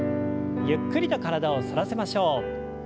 ゆっくりと体を反らせましょう。